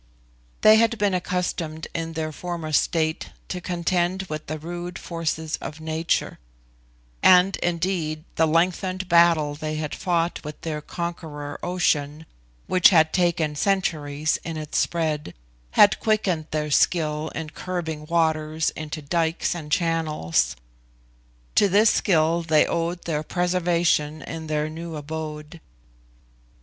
They had been accustomed in their former state to contend with the rude forces of nature; and indeed the lengthened battle they had fought with their conqueror Ocean, which had taken centuries in its spread, had quickened their skill in curbing waters into dikes and channels. To this skill they owed their preservation in their new abode.